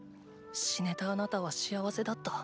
死ねたあなたは幸せだった？